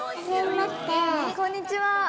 こんにちは。